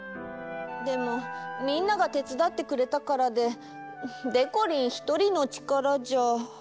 でもみんながてつだってくれたからででこりんひとりのちからじゃ。